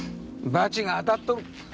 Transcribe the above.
バチが当たっとる！